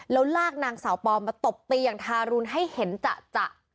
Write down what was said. แล้วลากนางสาวปอมาตบตีอย่างทารุณให้เห็นจะ